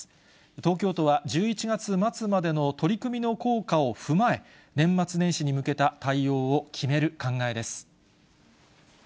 東京都は、１１月末までの取り組みの効果を踏まえ、年末年始に向けた対応を決める考えです。